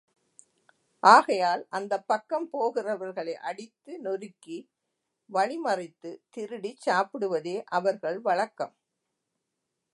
ஆகையால் அந்தப் பக்கம் போகிறவர்களை அடித்து நொறுக்கி வழி மறித்துத் திருடிச் சாப்பிடுவதே அவர்கள் வழக்கம்.